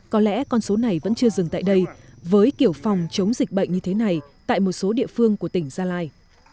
có lẽ con số này vẫn chưa dừng tại đây với kiểu phòng chống dịch bệnh như thế này tại một số địa phương của tỉnh gia lai